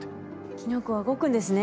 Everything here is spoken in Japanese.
キノコは動くんですね。